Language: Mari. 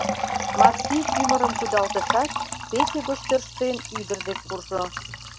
Макси тӱмырым кудалтышат, пече гоч тӧрштен, ӱдыр дек куржо.